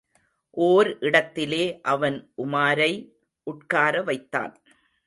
ஓர் இடத்திலே அவன் உமாரை உட்காரவைத்தான்.